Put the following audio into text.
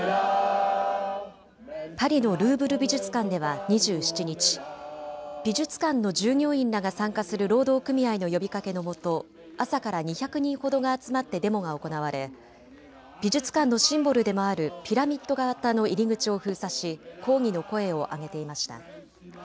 パリのルーブル美術館では２７日、美術館の従業員らが参加する労働組合の呼びかけのもと朝から２００人ほどが集まってデモが行われ美術館のシンボルでもあるピラミッド型の入り口を封鎖し抗議の声を上げていました。